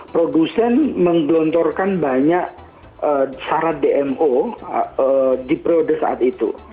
produsen menggelontorkan banyak syarat dmo di periode saat itu